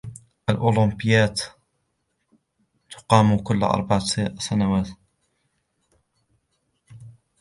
الاولمبيات تقام كل اربعة سنوات.